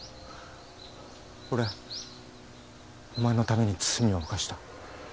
俺お前のために罪を犯した。